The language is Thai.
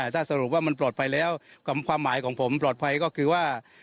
ถ้าสรุปว่ามันปลอดภัยแล้วความหมายของผมปลอดภัยก็คือว่า